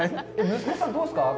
息子さんはどうですか？